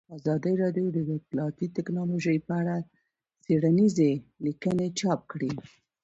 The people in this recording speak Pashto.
ازادي راډیو د اطلاعاتی تکنالوژي په اړه څېړنیزې لیکنې چاپ کړي.